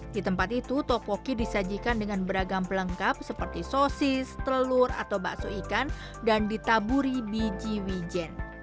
di tempat itu topoki disajikan dengan beragam pelengkap seperti sosis telur atau bakso ikan dan ditaburi biji wijen